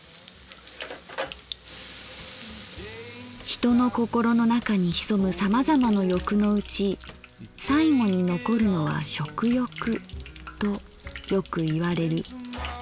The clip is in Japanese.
「人の心の中にひそむさまざまの欲のうち最後に残るのは食欲とよく言われる。